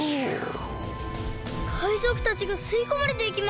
かいぞくたちがすいこまれていきます！